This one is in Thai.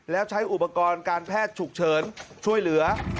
แล้วใช้อุปกรณ์การแพทย์ฉุกเฉินช่วยเหลือ